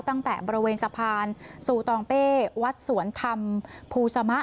ตั้งแต่บริเวณสะพานซูตองเป้วัดสวนธรรมภูสมะ